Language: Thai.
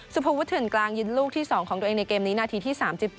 สุภวุฒเถื่อนกลางยิงลูกที่๒ของตัวเองในเกมนี้นาทีที่๓๗